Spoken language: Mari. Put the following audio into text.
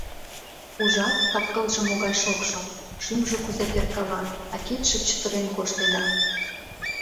Ужат, кап-кылже могай шокшо, шӱмжӧ кузе перкала, а кидше чытырен коштеда.